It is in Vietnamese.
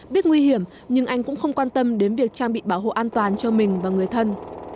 biết nguy hiểm nhưng anh cũng không quan tâm đến việc trang bị bảo hộ an toàn cho mình và người thân